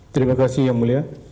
terima kasih yang mulia